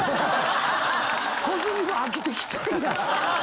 小杉も飽きてきてるな。